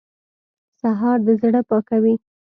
سهار د زړه پاکوي.